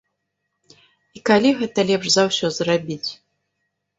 І калі гэта лепш за ўсё зрабіць?